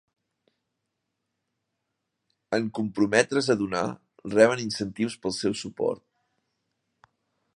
En comprometre's a donar, reben incentius pel seu suport.